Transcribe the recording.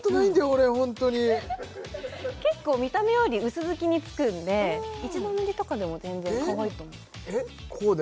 俺ホントに結構見た目より薄づきにつくんで一度塗りとかでも全然かわいいと思うえっこうで？